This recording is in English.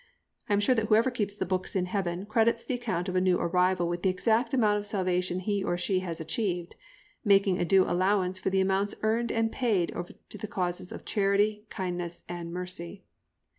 I am sure that whoever keeps the books in Heaven credits the account of a new arrival with the exact amount of salvation he or she has achieved, making a due allowance for the amounts earned and paid over to the causes of charity, kindliness, and mercy.